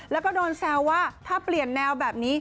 แล้วก็โดนแซวว่าถ้าเปลี่ยนแนวแบบนี้